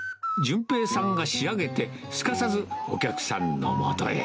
淳平さんが仕上げて、すかさずお客さんのもとへ。